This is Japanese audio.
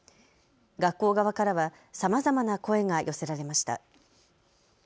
学校側からはさまざまな声が寄せられました。